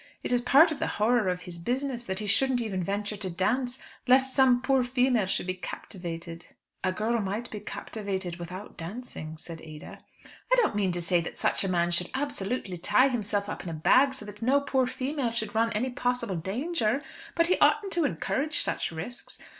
It is part of the horror of his business that he shouldn't even venture to dance, lest some poor female should be captivated." "A girl might be captivated without dancing," said Ada. "I don't mean to say that such a man should absolutely tie himself up in a bag so that no poor female should run any possible danger, but he oughtn't to encourage such risks.